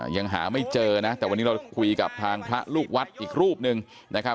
ยังหาไม่เจอนะแต่วันนี้เราคุยกับทางพระลูกวัดอีกรูปหนึ่งนะครับ